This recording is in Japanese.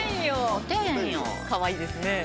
かわいいですね。